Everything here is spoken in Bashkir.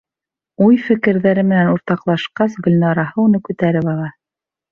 Уй-фекерҙәре менән уртаҡлашҡас, Гөлнараһы уны күтәреп ала.